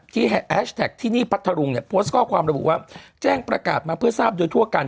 แฮชแท็กที่นี่พัทธรุงเนี่ยโพสต์ข้อความระบุว่าแจ้งประกาศมาเพื่อทราบโดยทั่วกัน